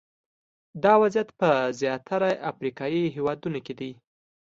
دا وضعیت په زیاتره افریقایي هېوادونو کې دی.